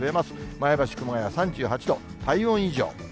前橋、熊谷３８度、体温以上。